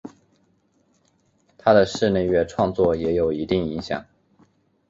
他的室内乐创作也有一定影响。